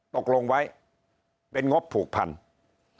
ตกลงไว้เป็นงบผูกพันธุ์